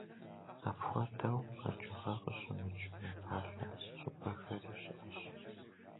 Апхуэдэу къэкӏыгъэ къыщымыкӏ мывалъэ щӏыпӏэхэри щыӏэщ.